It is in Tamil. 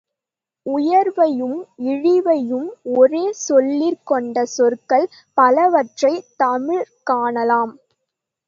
உயர்வையும் இழிவையும் ஒரே சொல்லிற் கொண்ட சொற்கள் பலவற்றைத் தமிழிற் காணலாம்.